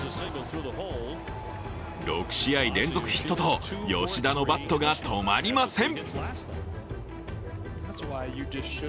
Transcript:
６試合連続ヒットと吉田のバットが止まりません。